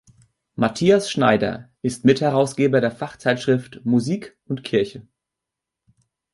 Matthias Schneider ist Mitherausgeber der Fachzeitschrift Musik und Kirche.